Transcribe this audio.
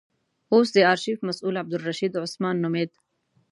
اوس د آرشیف مسئول عبدالرشید عثمان نومېد.